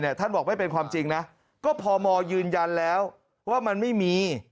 ท่านบอกไม่เป็นความจริงนะก็พมยืนยันแล้วว่ามันไม่มี